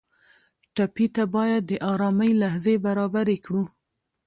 ټپي ته باید د ارامۍ لحظې برابرې کړو.